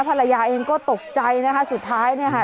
ภรรยาเองก็ตกใจนะคะสุดท้ายเนี่ยค่ะ